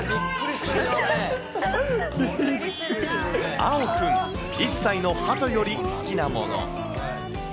あおくん１歳のハトより好きなもの。